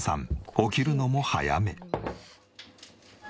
起きるのも早め。